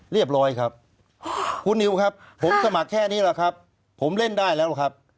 เรียบร้อยครับคุณนิวครับผมสมัครแค่นี้แหละครับผมเล่นได้แล้วครับ